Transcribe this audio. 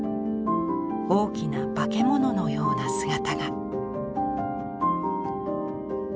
大きな化け物のような姿が。